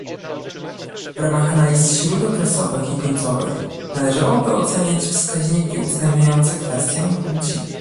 W ramach analiz śródokresowych i końcowych należałoby oceniać wskaźniki uwzględniające kwestię płci